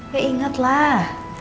ya inget lah